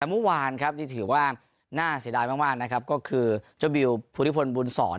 สัปดาห์มุมวานที่ถือว่าน่าเสด็จมากก็คือเจ้าบิวภูฤพลบุญสร